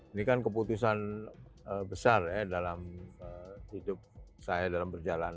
ini kan keputusan besar ya dalam hidup saya dalam berjalan